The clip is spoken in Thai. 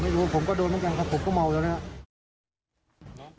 ผมไม่รู้ผมก็โดนเหมือนกันครับผมก็เหมาส์อยู่ครับ